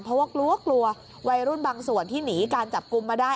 เพราะว่ากลัวกลัววัยรุ่นบางส่วนที่หนีการจับกลุ่มมาได้